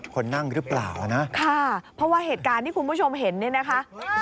คนนั่งหรือเปล่านะค่ะเพราะว่าเหตุการณ์ที่คุณผู้ชมเห็นเนี่ยนะคะ